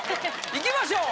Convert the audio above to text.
いきましょう。